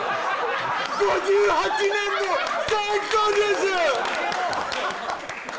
５８年も最高です